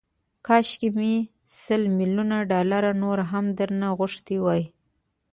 کاشکي مې سل ميليونه ډالر نور هم درنه غوښتي وای.